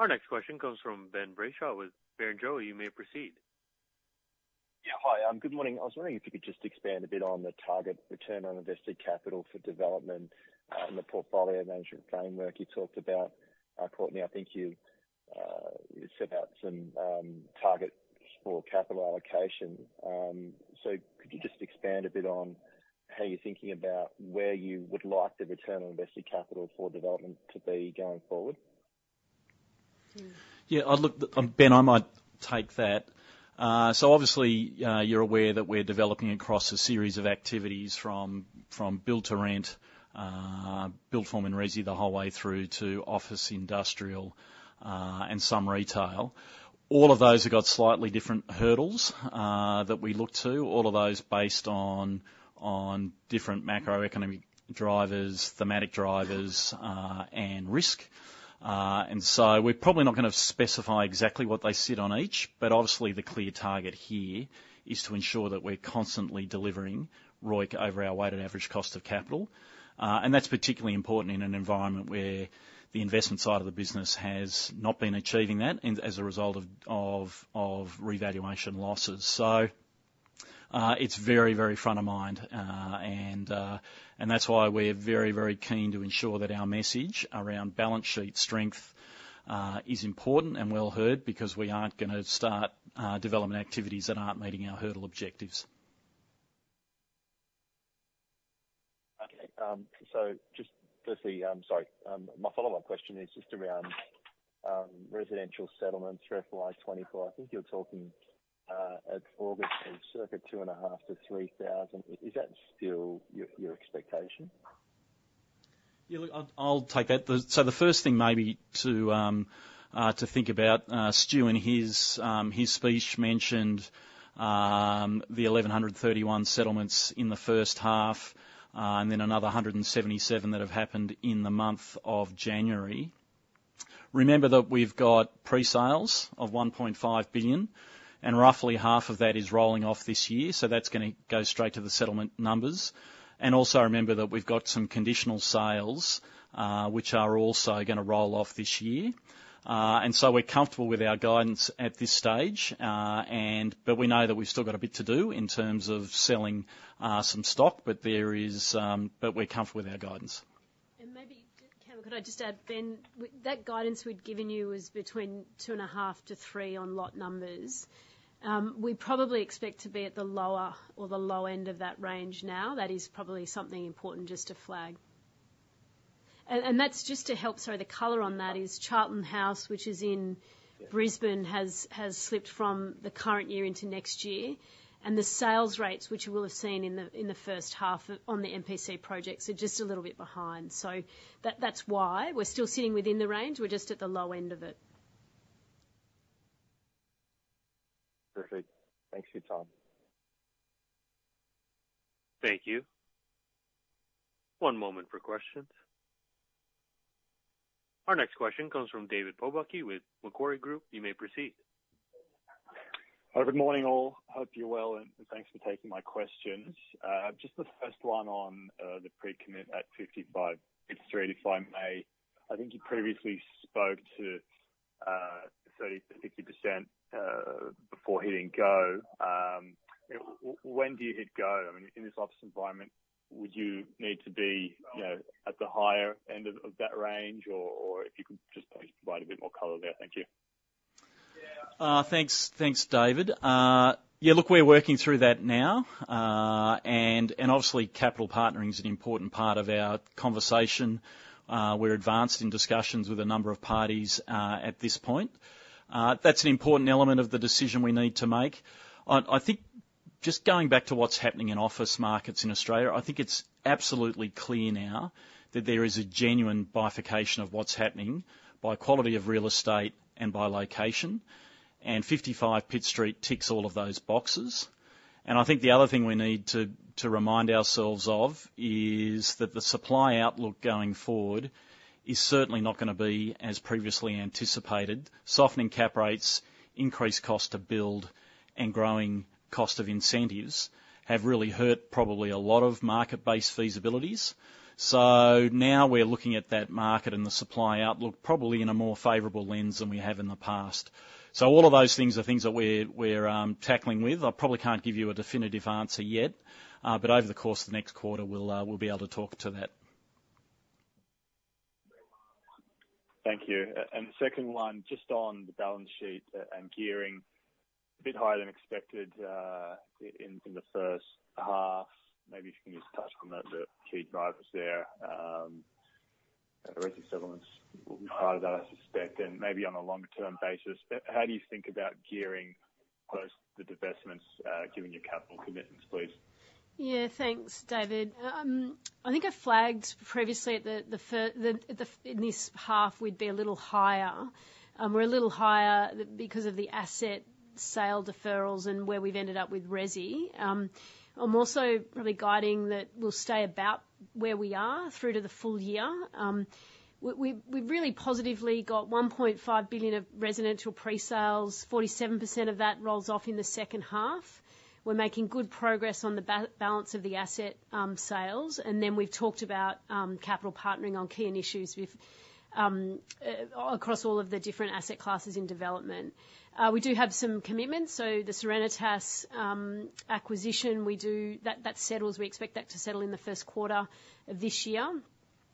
Our next question comes from Ben Brayshaw with Barrenjoey. You may proceed. Yeah, hi, good morning. I was wondering if you could just expand a bit on the target return on invested capital for development, and the portfolio management framework you talked about. Courtenay, I think you, you set out some targets for capital allocation. So could you just expand a bit on how you're thinking about where you would like the return on invested capital for development to be going forward? Yeah, Ben, I might take that. So obviously, you're aware that we're developing across a series of activities from build to rent, build form and resi, the whole way through to office, industrial, and some retail. All of those have got slightly different hurdles that we look to. All of those based on different macroeconomic drivers, thematic drivers, and risk. And so we're probably not gonna specify exactly what they sit on each, but obviously, the clear target here is to ensure that we're constantly delivering ROIC over our weighted average cost of capital. And that's particularly important in an environment where the investment side of the business has not been achieving that as a result of revaluation losses. So, it's very, very front of mind, and that's why we're very, very keen to ensure that our message around balance sheet strength is important and well heard, because we aren't gonna start development activities that aren't meeting our hurdle objectives. Okay, so just firstly, sorry, my follow-up question is just around residential settlements for FY24. I think you were talking at August of circa 2.5-3,000. Is that still your, your expectation? Yeah, look, I'll take that. So the first thing maybe to think about, Stu, in his speech, mentioned the 1,131 settlements in the H1, and then another 177 that have happened in the month of January. Remember that we've got pre-sales of 1.5 billion, and roughly half of that is rolling off this year, so that's gonna go straight to the settlement numbers. Also remember that we've got some conditional sales, which are also gonna roll off this year. And so we're comfortable with our guidance at this stage, and but we know that we've still got a bit to do in terms of selling some stock, but we're comfortable with our guidance. And maybe, Campbell, could I just add, Ben, that guidance we'd given you is between 2.5-3 on lot numbers. We probably expect to be at the lower or the low end of that range now. That is probably something important just to flag. And that's just to help, sorry, the color on that is Charlton House, which is in Brisbane, has slipped from the current year into next year, and the sales rates, which you will have seen in the H1 on the MPC projects, are just a little bit behind. So that's why we're still sitting within the range. We're just at the low end of it. Perfect. Thanks for your time. Thank you. One moment for questions. Our next question comes from David Pobucky with Macquarie Group. You may proceed. Hi, good morning, all. Hope you're well, and thanks for taking my questions. Just the first one on the pre-commit at 55 Pitt Street, if I may. I think you previously spoke to 30%-60% before hitting go. When do you hit go? I mean, in this office environment, would you need to be, you know, at the higher end of that range, or if you could just please provide a bit more color there. Thank you. Thanks. Thanks, David. Yeah, look, we're working through that now. And obviously, capital partnering is an important part of our conversation. We're advanced in discussions with a number of parties at this point. That's an important element of the decision we need to make. I think just going back to what's happening in office markets in Australia, I think it's absolutely clear now that there is a genuine bifurcation of what's happening by quality of real estate and by location, and 55 Pitt Street ticks all of those boxes. And I think the other thing we need to remind ourselves of is that the supply outlook going forward is certainly not gonna be as previously anticipated. Softening cap rates, increased cost to build, and growing cost of incentives have really hurt probably a lot of market-based feasibilities. Now we're looking at that market and the supply outlook probably in a more favorable lens than we have in the past. All of those things are things that we're tackling with. I probably can't give you a definitive answer yet, but over the course of the next quarter, we'll be able to talk to that. Thank you. The second one, just on the balance sheet and gearing. A bit higher than expected in the H1. Maybe if you can just touch on the key drivers there. Resi settlements will be part of that, I suspect, and maybe on a longer term basis, how do you think about gearing post the divestments, given your capital commitments, please? Yeah. Thanks, David. I think I flagged previously in this half, we'd be a little higher. We're a little higher because of the asset sale deferrals and where we've ended up with resi. I'm also really guiding that we'll stay about where we are through to the full year. We really positively got 1.5 billion of residential pre-sales. 47% of that rolls off in the H2. We're making good progress on the balance of the asset sales. And then we've talked about capital partnering on key initiatives with across all of the different asset classes in development. We do have some commitments, so the Serenitas acquisition, we do. That settles. We expect that to settle in the Q1 of this year,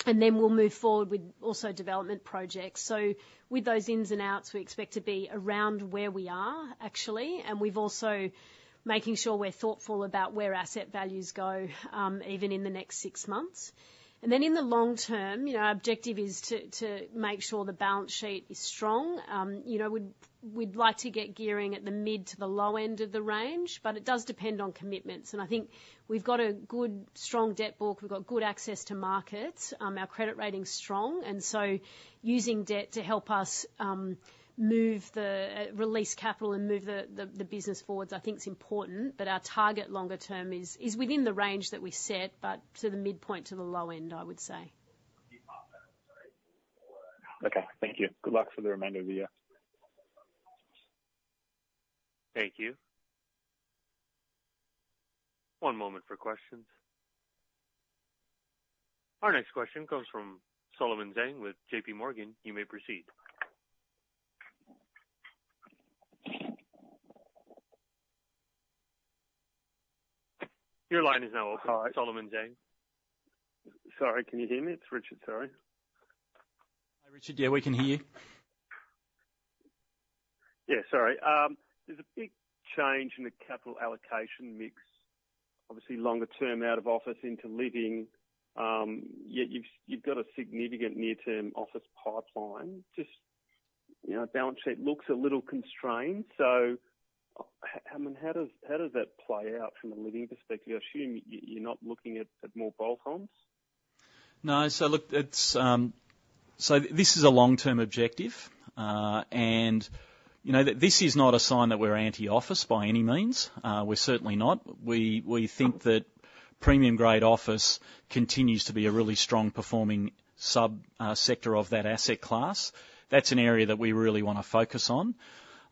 and then we'll move forward with also development projects. So with those ins and outs, we expect to be around where we are, actually, and we've also making sure we're thoughtful about where asset values go, even in the next six months. And then in the long term, you know, our objective is to, to make sure the balance sheet is strong. You know, we'd, we'd like to get gearing at the mid to the low end of the range, but it does depend on commitments, and I think we've got a good, strong debt book. We've got good access to markets. Our credit rating's strong, and so using debt to help us, move the... Release capital and move the business forward, I think is important, but our target longer term is within the range that we set, but to the midpoint, to the low end, I would say. Okay, thank you. Good luck for the remainder of the year. Thank you. One moment for questions. Our next question comes from Solomon Zhang with JPMorgan. You may proceed. Your line is now open, Solomon Zhang. Sorry, can you hear me? It's Richard. Sorry. Hi, Richard. Yeah, we can hear you. Yeah, sorry. There's a big change in the capital allocation mix, obviously longer term, out of office into living. Yet you've, you've got a significant near-term office pipeline. Just, you know, balance sheet looks a little constrained. So how, I mean, how does, how does that play out from a living perspective? I assume you're, you're not looking at, at more bolt-ons. No. So look, it's, so this is a long-term objective. And you know, this is not a sign that we're anti-office by any means. We're certainly not. We, we think that premium grade office continues to be a really strong performing sub-sector of that asset class. That's an area that we really wanna focus on.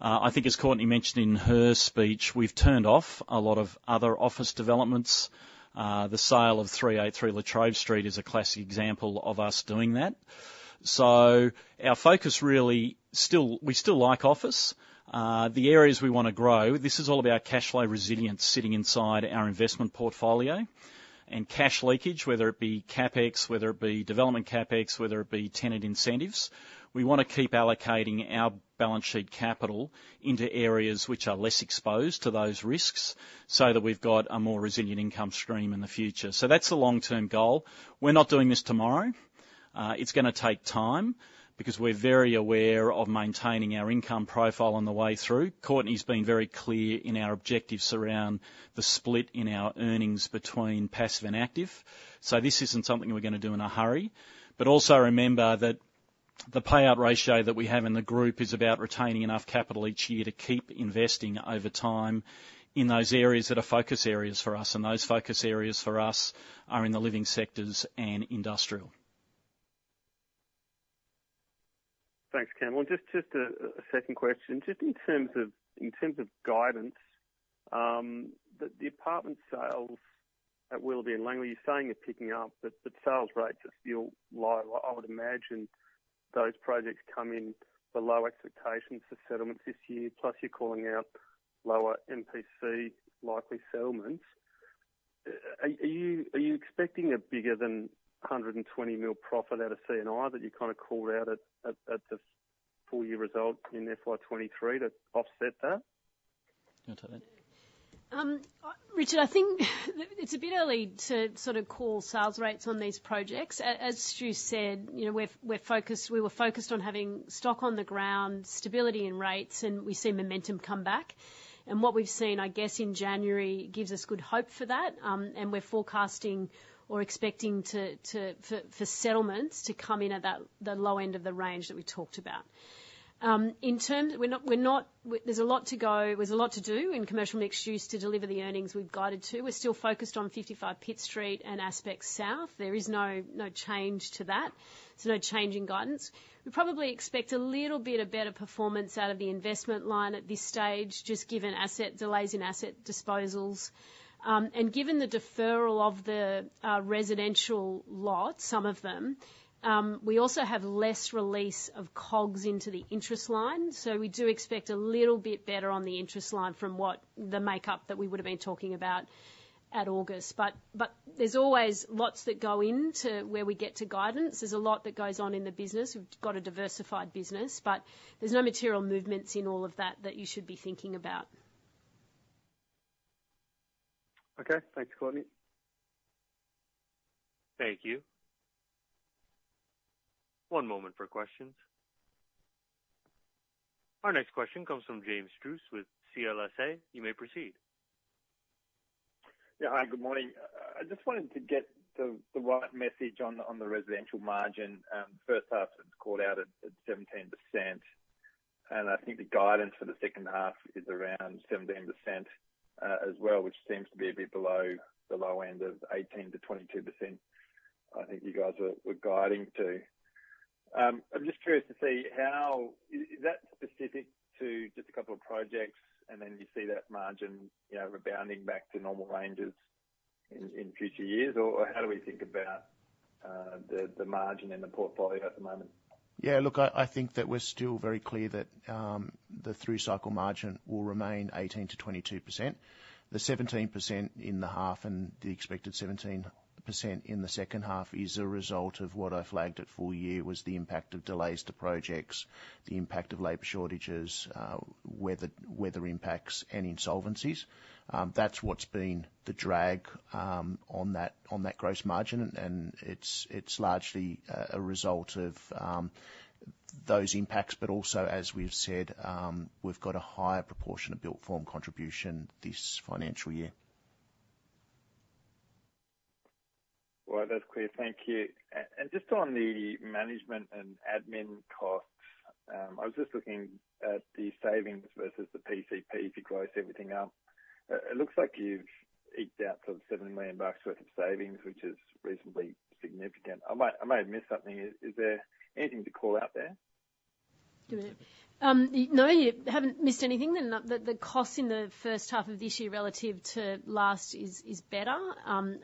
I think, as Courtenay mentioned in her speech, we've turned off a lot of other office developments. The sale of 383 La Trobe Street is a classic example of us doing that. So our focus really, still, we still like office. The areas we want to grow, this is all about cashflow resilience sitting inside our investment portfolio and cash leakage, whether it be CapEx, whether it be development CapEx, whether it be tenant incentives. We want to keep allocating our balance sheet capital into areas which are less exposed to those risks, so that we've got a more resilient income stream in the future. So that's the long-term goal. We're not doing this tomorrow. It's gonna take time, because we're very aware of maintaining our income profile on the way through. Courtenay's been very clear in our objectives around the split in our earnings between passive and active, so this isn't something we're gonna do in a hurry. But also remember that the payout ratio that we have in the group is about retaining enough capital each year to keep investing over time in those areas that are focus areas for us, and those focus areas for us are in the living sectors and industrial. Thanks, Campbell. Just a second question. Just in terms of guidance, the apartment sales at Willoughby and Langlee, you're saying they're picking up, but sales rates are still low. I would imagine those projects come in below expectations for settlements this year, plus you're calling out lower MPC likely settlements. Are you expecting a bigger than 120 million profit out of C&I that you kind of called out at the full year result in FY23 to offset that? Richard, I think it's a bit early to sort of call sales rates on these projects. As Stu said, you know, we're, we're focused—we were focused on having stock on the ground, stability in rates, and we see momentum come back. And what we've seen, I guess, in January, gives us good hope for that, and we're forecasting or expecting settlements to come in at the low end of the range that we talked about. In terms—we're not, we're not—there's a lot to go. There's a lot to do in commercial mixed use to deliver the earnings we've guided to. We're still focused on 55 Pitt Street and Aspect South. There is no change to that, so no change in guidance. We probably expect a little bit of better performance out of the investment line at this stage, just given asset delays in asset disposals. And given the deferral of the residential lots, some of them, we also have less release of COGS into the interest line, so we do expect a little bit better on the interest line from what the makeup that we would have been talking about at August. But there's always lots that go into where we get to guidance. There's a lot that goes on in the business. We've got a diversified business, but there's no material movements in all of that that you should be thinking about. Okay. Thanks, Courtenay. Thank you. One moment for questions. Our next question comes from James Druce with CLSA. You may proceed. Yeah. Hi, good morning. I just wanted to get the right message on the residential margin. H1, it's called out at 17%, and I think the guidance for the H2 is around 17% as well, which seems to be a bit below the low end of 18%-22%, I think you guys were guiding to. I'm just curious to see how— Is that specific to just a couple of projects, and then you see that margin, you know, rebounding back to normal ranges in future years? Or how do we think about the margin in the portfolio at the moment? Yeah, look, I think that we're still very clear that the through cycle margin will remain 18%-22%. The 17% in the half and the expected 17% in the H2 is a result of what I flagged at full year, was the impact of delays to projects, the impact of labor shortages, weather, weather impacts and insolvencies. That's what's been the drag on that, on that gross margin, and it's largely a result of those impacts. But also, as we've said, we've got a higher proportion of built form contribution this financial year. Well, that's clear. Thank you. And just on the management and admin costs, I was just looking at the savings versus the PCP, if you gross everything up. It looks like you've eked out sort of 7 million bucks worth of savings, which is reasonably significant. I might, I may have missed something. Is there anything to call out there? No, you haven't missed anything. The costs in the H1 of this year relative to last is better.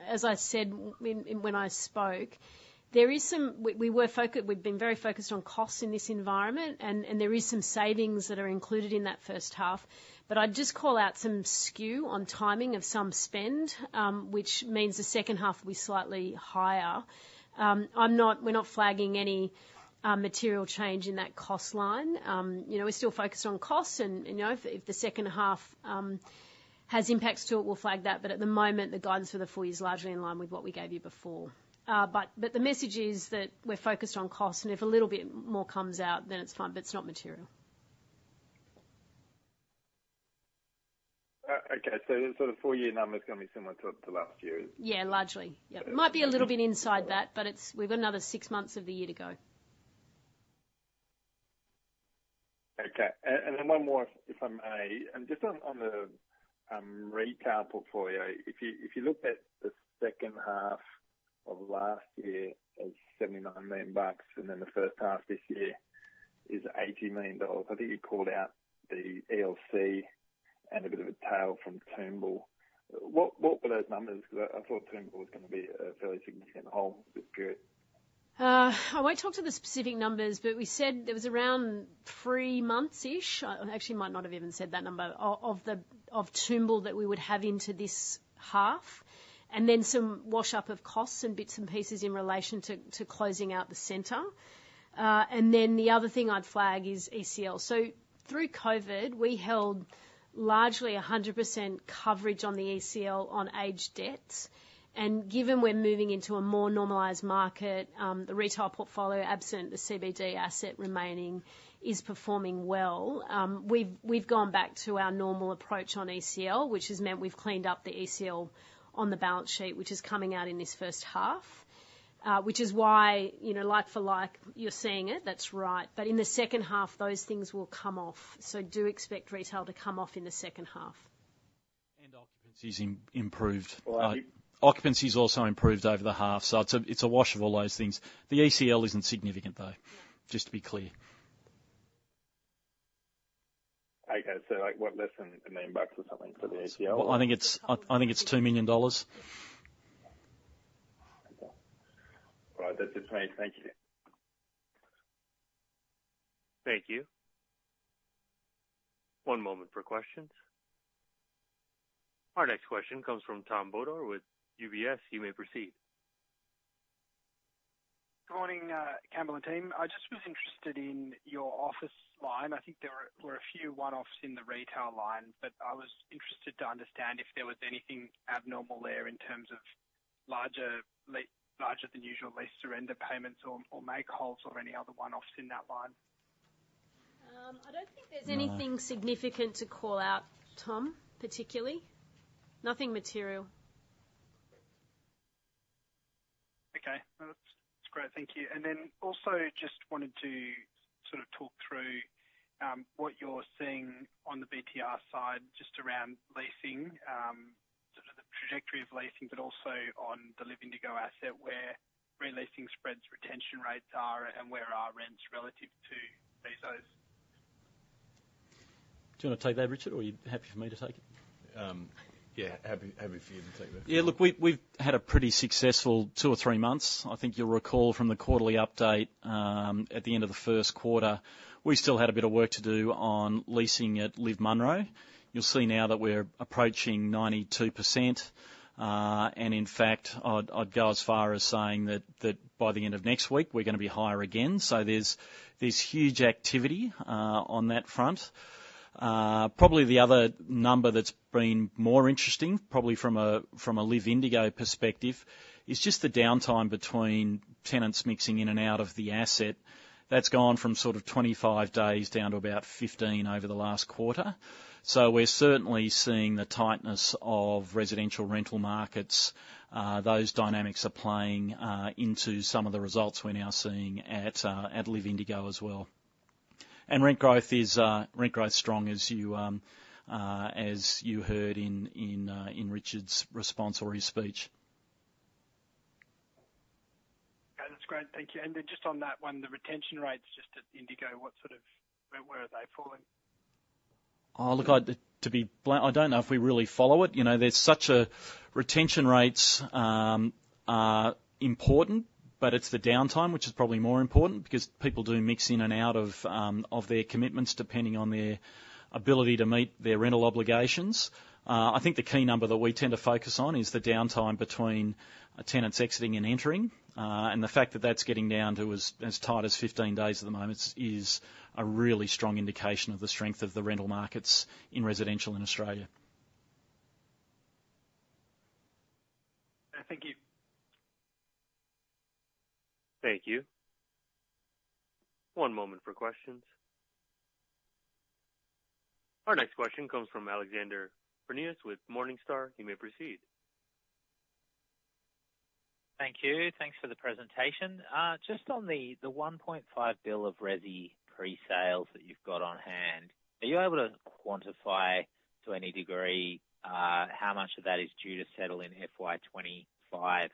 As I said when I spoke, there is some... We've been very focused on costs in this environment, and there is some savings that are included in that H1. But I'd just call out some skew on timing of some spend, which means the H2 will be slightly higher. We're not flagging any material change in that cost line. You know, we're still focused on costs, and you know, if the H2 has impacts to it, we'll flag that, but at the moment, the guidance for the full year is largely in line with what we gave you before. But the message is that we're focused on costs, and if a little bit more comes out, then it's fine, but it's not material. Okay. So then, so the full year number is going to be similar to, to last year's? Yeah, largely. Yeah. Okay. It might be a little bit inside that, but it's, we've got another six months of the year to go. Okay. Then one more, if I may. And just on the retail portfolio, if you look at the H2 of last year, it was 79 million bucks, and then the H1 this year is 80 million dollars. I think you called out the ECL and a bit of a tail from Toombul. What were those numbers? Because I thought Toombul was going to be a fairly significant hold with good. I won't talk to the specific numbers, but we said there was around 3 months-ish. I actually might not have even said that number, of Toombul that we would have into this half, and then some wash up of costs and bits and pieces in relation to closing out the center. And then the other thing I'd flag is ECL. So through COVID, we held largely 100% coverage on the ECL on aged debts, and given we're moving into a more normalized market, the retail portfolio, absent the CBD asset remaining, is performing well. We've gone back to our normal approach on ECL, which has meant we've cleaned up the ECL on the balance sheet, which is coming out in this H1, which is why, you know, like for like, you're seeing it. That's right. But in the H2, those things will come off. So do expect retail to come off in the H2. Occupancy's improved. Right. Occupancy's also improved over the half, so it's a wash of all those things. The ECL isn't significant, though, just to be clear. Okay, so like what, less than 1 million bucks or something for the ECL? Well, I think it's 2 million dollars. Okay. All right, that's it for me. Thank you. Thank you. One moment for questions. Our next question comes from Tom Bodor with UBS. You may proceed. Good morning, Campbell and team. I just was interested in your office line. I think there were a few one-offs in the retail line, but I was interested to understand if there was anything abnormal there in terms of larger than usual lease surrender payments or make [calls] or any other one-offs in that line. I don't think there's anything- No. Significant to call out, Tom, particularly. Nothing material. Okay. Well, that's great. Thank you. And then also just wanted to sort of talk through, what you're seeing on the BTR side, just around leasing, sort of the trajectory of leasing, but also on the LIV Indigo asset, where reletting spreads, retention rates are and where are rents relative to these those? Do you want to take that, Richard, or are you happy for me to take it? Yeah, happy, happy for you to take that. Yeah, look, we've, we've had a pretty successful two or three months. I think you'll recall from the quarterly update, at the end of the Q1, we still had a bit of work to do on leasing at LIV Munro. You'll see now that we're approaching 92%, and in fact, I'd, I'd go as far as saying that, that by the end of next week we're going to be higher again. So there's, there's huge activity on that front. Probably the other number that's been more interesting, probably from a, from a LIV Indigo perspective, is just the downtime between tenants mixing in and out of the asset. That's gone from sort of 25 days down to about 15 over the last quarter. So we're certainly seeing the tightness of residential rental markets. Those dynamics are playing into some of the results we're now seeing at LIV Indigo as well. Rent growth is strong as you heard in Richard's response or his speech. Yeah, that's great. Thank you. And then just on that one, the retention rates, just at Indigo, where are they falling? Oh, look, I don't know if we really follow it. You know, there's such a... Retention rates are important, but it's the downtime, which is probably more important, because people do mix in and out of, of their commitments, depending on their ability to meet their rental obligations. I think the key number that we tend to focus on is the downtime between a tenants exiting and entering. And the fact that that's getting down to as, as tight as 15 days at the moment is a really strong indication of the strength of the rental markets in residential in Australia. Thank you. Thank you. One moment for questions. Our next question comes from Alexander Prineas with Morningstar. You may proceed. Thank you. Thanks for the presentation. Just on the, the 1.5 billion of resi pre-sales that you've got on hand, are you able to quantify, to any degree, how much of that is due to settle in FY25,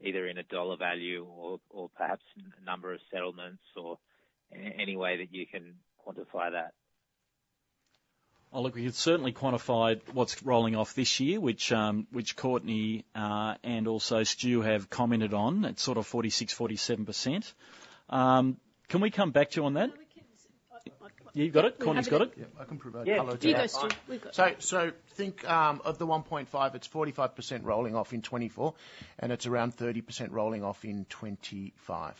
either in a dollar value or, or perhaps number of settlements or any way that you can quantify that? Well, look, we can certainly quantify what's rolling off this year, which Courtenay and also Stu have commented on. It's sort of 46%-47%. Can we come back to you on that? No, we can pass the mic. You've got it? Courtenay's got it. Yeah, I can provide color to that. You go, Stu. We've got- So, so think of the 1.5, it's 45% rolling off in 2024, and it's around 30% rolling off in 2025.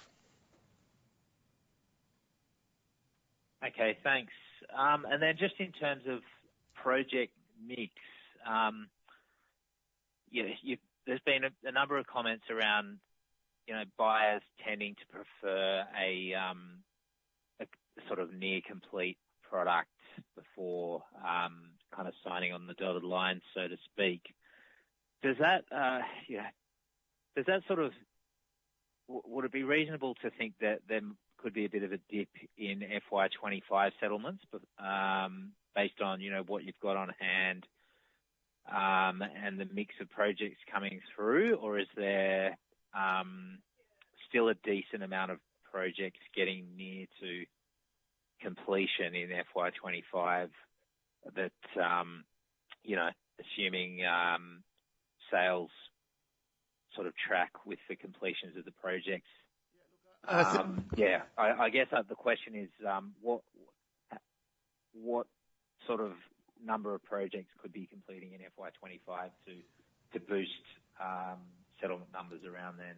Okay, thanks. And then just in terms of project mix, you know, you've-- there's been a number of comments around, you know, buyers tending to prefer a sort of near complete product before kind of signing on the dotted line, so to speak. Does that, yeah. Does that sort of... Would it be reasonable to think that there could be a bit of a dip in FY25 settlements, but based on, you know, what you've got on hand and the mix of projects coming through? Or is there still a decent amount of projects getting near to completion in FY25 that, you know, assuming sales sort of track with the completions of the projects? Yeah, look, I- Yeah, I guess the question is, what sort of number of projects could be completing in FY25 to boost settlement numbers around then?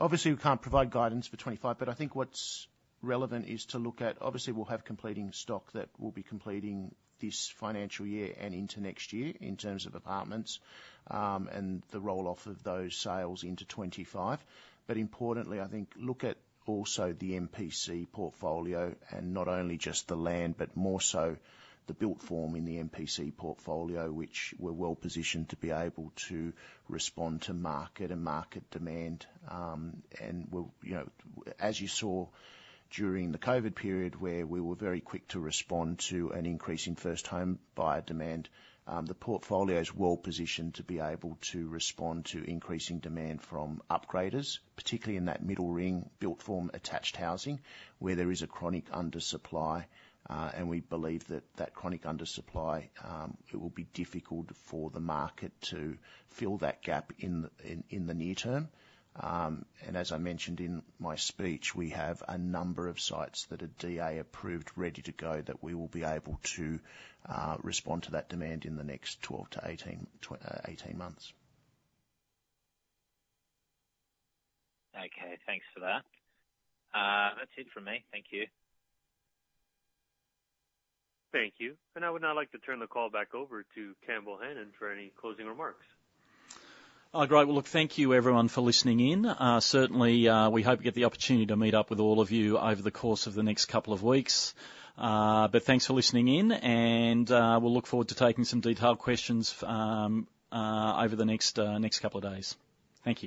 Obviously, we can't provide guidance for 25, but I think what's relevant is to look at. Obviously, we'll have completing stock that will be completing this financial year and into next year in terms of apartments, and the roll-off of those sales into 25. But importantly, I think look at also the MPC portfolio, and not only just the land, but more so the built form in the MPC portfolio, which we're well positioned to be able to respond to market and market demand. And we'll, you know, as you saw during the COVID period, where we were very quick to respond to an increase in first home buyer demand, the portfolio is well positioned to be able to respond to increasing demand from upgraders, particularly in that middle ring, built form, attached housing, where there is a chronic undersupply, and we believe that chronic undersupply, it will be difficult for the market to fill that gap in the near term. And as I mentioned in my speech, we have a number of sites that are DA approved, ready to go, that we will be able to respond to that demand in the next 12-18 months. Okay, thanks for that. That's it for me. Thank you. Thank you. I would now like to turn the call back over to Campbell Hanan for any closing remarks. Great. Well, look, thank you, everyone, for listening in. Certainly, we hope to get the opportunity to meet up with all of you over the course of the next couple of weeks. But thanks for listening in, and we'll look forward to taking some detailed questions over the next couple of days. Thank you.